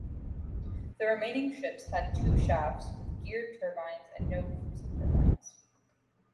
The remaining ships had two shafts with geared turbines and no cruising turbines.